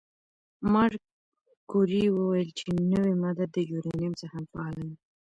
ماري کوري وویل چې نوې ماده د یورانیم څخه فعاله ده.